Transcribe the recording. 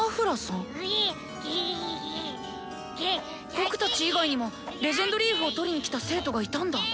僕たち以外にも「レジェンドリーフ」をとりに来た生徒がいたんだ！